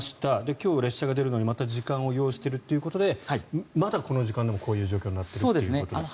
今日列車が出るのにまた時間を要しているということでまだこの時間でもこういう状況になっているということですね。